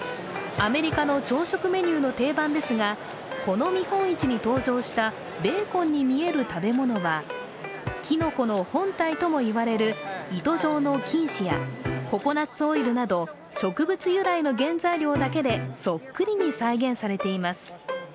アメリカの朝食メニューの定番ですが、この見本市に登場したベーコンに見える食べ物はきのこの本体とも言われる糸状の菌糸やココナツオイルなど植物由来の原材料だけでそっくりに再現されています。